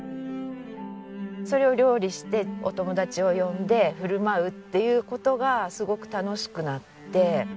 それを料理してお友達を呼んで振る舞うっていう事がすごく楽しくなって。